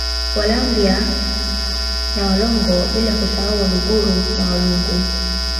Walambya na Walongo bila kusahau Waluguru na Walungu